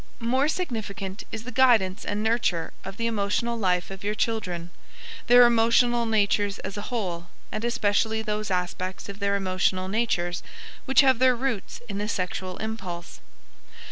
More significant is the guidance and nurture of the emotional life of your children their emotional natures as a whole, and especially those aspects of their emotional natures which have their roots in the sexual impulse.